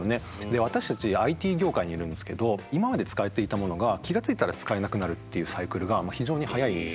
私たちＩＴ業界にいるんですけど今まで使われていたものが気が付いたら使えなくなるっていうサイクルが非常に速いんですよね。